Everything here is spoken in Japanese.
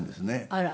あら。